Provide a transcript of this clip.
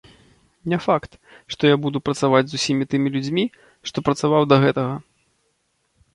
Не факт, што я буду працаваць з усімі тымі людзьмі, што працаваў да гэтага.